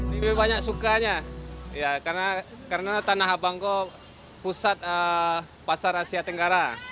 lebih banyak sukanya karena tanah abang pusat pasar asia tenggara